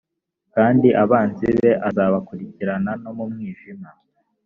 kandi abanzi be azabakurikirana no mu mwijima